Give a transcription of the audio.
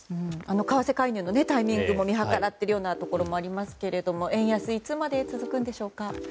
為替介入のタイミングも見計らっているようなところもありますけども円安はいつまで続くんでしょうか。